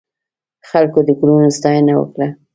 خلکو د ګلونو ستاینه وکړه.